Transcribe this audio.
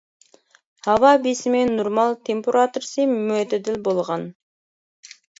ھاۋا بېسىمى نورمال، تېمپېراتۇرىسى مۆتىدىل بولغان.